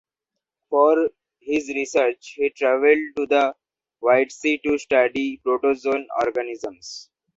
For his research he traveled to the White Sea to study protozoan organisms.